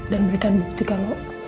dan memberikan bukti kalau